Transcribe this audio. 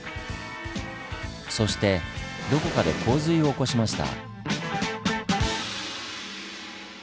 そしてどこかで洪水を起こしました。